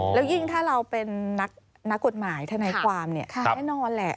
แล้วยิ่งถ้าเราเป็นนักกฎหมายทนายความเนี่ยแน่นอนแหละ